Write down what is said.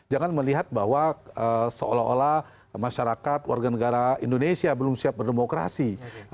jangan melihat bahwa seolah olah masyarakat warga negara indonesia belum siap berdemokrasi